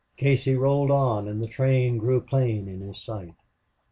Casey rolled on, and the train grew plain in his sight.